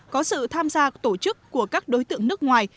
có sự tham gia tổ chức của các đối tượng nước ngoài